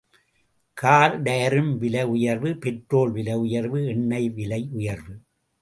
Car டயரும் விலை உயர்வு பெட்ரோல் விலை உயர்வு எண்ணெய் விலை உயர்வு!